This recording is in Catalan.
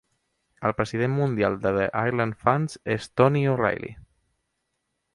El president mundial de The Ireland Funds és Tony O'Reilly.